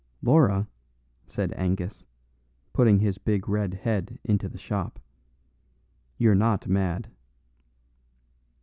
"Laura," said Angus, putting his big red head into the shop, "you're not mad."